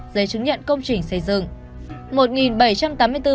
giấy chứng nhận công trình xây dựng